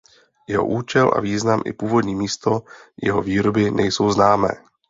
Jeho účel a význam i původní místo jeho výroby nejsou známé.